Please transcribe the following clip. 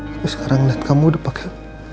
tapi sekarang lihat kamu udah pakai